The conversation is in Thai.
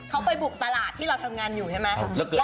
เขาไปบุกตลาดที่เราทำงานอยู่ใช่ไหม